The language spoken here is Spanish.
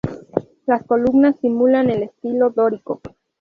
Las columnas simulan el estilo dórico.